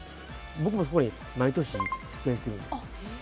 僕もそこに毎年出演してるんですよ。